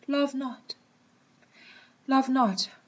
Love not! Love not!